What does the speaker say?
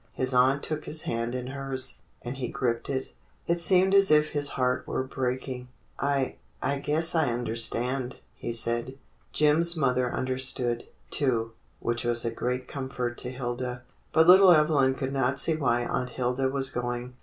His aunt took his hand in hers, and he gripped it. It seemed as if his heart were breaking. "I — I guess I understand," he said. Jim's mother understood, too, which was a great comfort to Hilda; but little Evelyn could not see why Aunt Hilda was going.